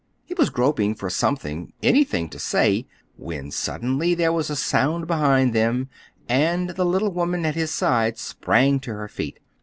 He was groping for something—anything to say, when suddenly there was a sound behind them, and the little woman at his side sprang to her feet.